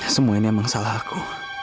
semua ini emang salah aku